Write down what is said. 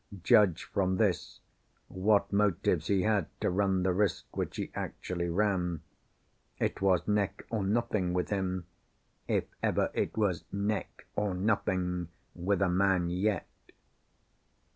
Judge from this, what motives he had to run the risk which he actually ran. It was "neck or nothing" with him—if ever it was "neck or nothing" with a man yet.